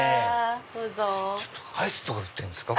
アイスとか売ってるんですか？